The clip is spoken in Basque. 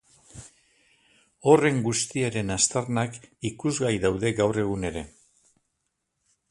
Horren guztiaren aztarnak ikusgai daude gaur egun ere.